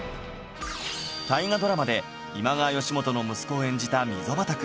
大河ドラマで今川義元の息子を演じた溝端くん